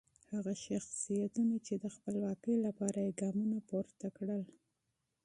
هغه شخصیتونه چې د خپلواکۍ لپاره یې ګامونه پورته کړل.